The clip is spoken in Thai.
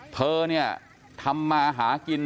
เธอเนี่ยทำมาหากิน